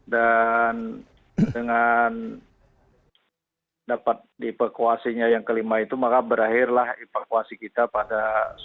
dan dengan dapat di evakuasinya yang kelima itu maka berakhirlah evakuasi kita pada